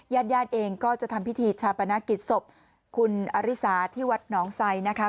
ญาติญาติเองก็จะทำพิธีชาปนกิจศพคุณอริสาที่วัดหนองไซนะคะ